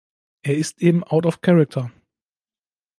Er ist eben „out of character“.